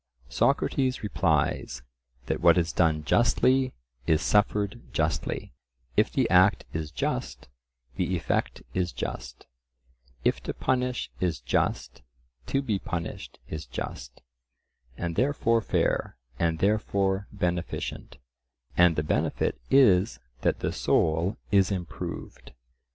Socrates replies, that what is done justly is suffered justly: if the act is just, the effect is just; if to punish is just, to be punished is just, and therefore fair, and therefore beneficent; and the benefit is that the soul is improved.